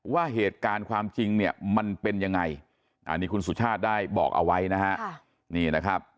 ว่าเหตุการณ์ความจริงเนี่ยมันเป็นยังไงอันนี้คุณสุชาติได้บอกเอาไว้นะฮะนี่นะครับ